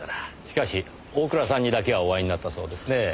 しかし大倉さんにだけはお会いになったそうですねぇ。